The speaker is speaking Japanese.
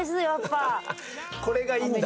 これがいいんだ？